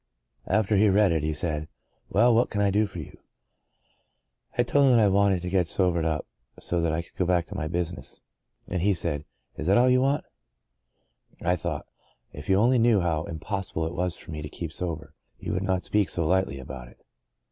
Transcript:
After he read it, he said, * Well, what can I do for you ?* I told him that I wanted to get sobered up so that I could go back to my business, and he said, *Is that all you want?' I thought, * If you only knew how impossible it was for me to keep sober, you would not speak so lightly about it.'